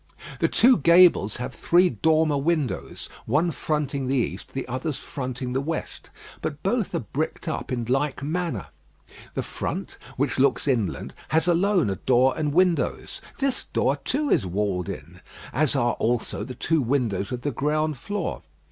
The two gables have three dormer windows, one fronting the east, the others fronting the west, but both are bricked up in like manner. The front, which looks inland, has alone a door and windows. This door, too, is walled in, as are also the two windows of the ground floor.